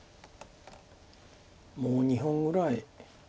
もう２本ぐらい。